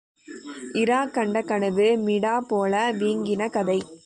Iraq கண்ட கனவு மிடாப் போல வீங்கின கதை.